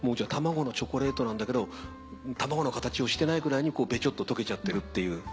卵のチョコレートなんだけど卵の形をしてないくらいにベチョっと溶けちゃってるっていう。